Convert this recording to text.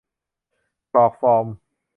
กรอกฟอร์ม